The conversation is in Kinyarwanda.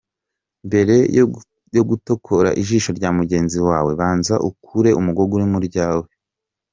Mbere yo gutokora ijisho rya mugenzi wawe banza ukure umugogoro uri mu ryawe